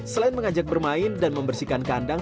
selain mengajak bermain dan membersihkan kandang